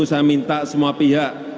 saya minta semua pihak